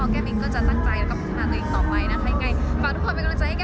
ขอบคุณมากมากเลยนะคะแก้มเองก็รู้สึกดีใจมากค่ะ